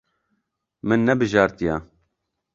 Min nebijartiye.